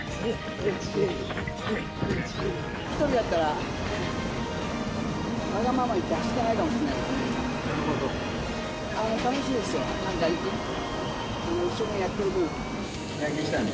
１人だったら、わがまま言って走ってないかもしれないもんね。